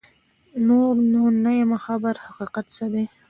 نور نو نه یمه خبر حقیقت څه دی